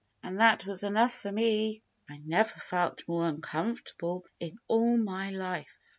And that was enough for me. I never felt more uncomfortable in all my life."